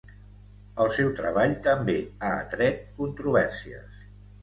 El seu treball també ha atret controvèrsies.